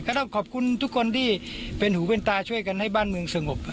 ต้องขอบคุณทุกคนที่เป็นหูเป็นตาช่วยกันให้บ้านเมืองสงบ